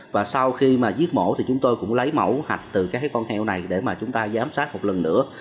và sau khi mà giết mổ thì chúng tôi cũng lấy mẫu hạch từ các con heo này để mà chúng ta giám sát một lần nữa